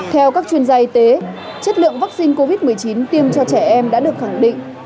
theo các chuyên gia y tế chất lượng vaccine covid một mươi chín tiêm cho trẻ em đã được khẳng định